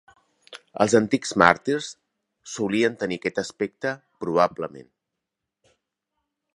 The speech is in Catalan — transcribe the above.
Els antics màrtirs solien tenir aquest aspecte probablement.